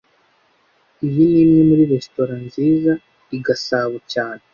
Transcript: Iyi ni imwe muri resitora nziza i Gasabo cyane